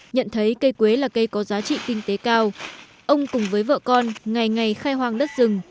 nhận thấy cây quế là cây có giá trị kinh tế cao ông cùng với vợ con ngày ngày khai hoang đất rừng